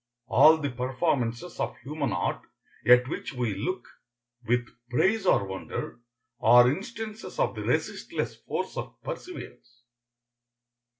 All the performances of human art, at which we look with praise or wonder, are instances of the resistless force of perseverance.